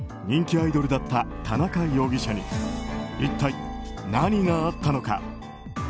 人気アイドルだった田中容疑者に一体、何があったのか。